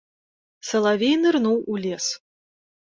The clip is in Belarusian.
Салавей нырнуў у лес.